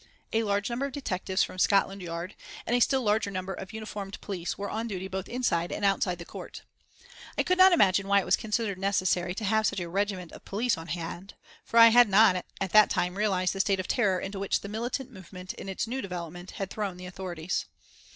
A large number of detectives from Scotland Yard, and a still larger number of uniformed police were on duty both inside and outside the court. I could not imagine why it was considered necessary to have such a regiment of police on hand, for I had not, at that time, realised the state of terror into which the militant movement, in its new development, had thrown the authorities.